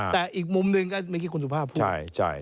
แต่อีกมุมหนึ่งก็เมื่อกี้คุณสุภาพพูด